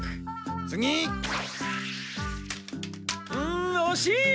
んおしい！